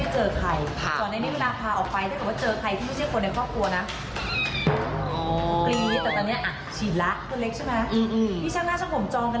ใช่ค่ะไปดูฟังเสียงหน่อยจ้า